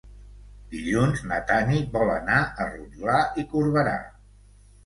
Dilluns na Tanit vol anar a Rotglà i Corberà.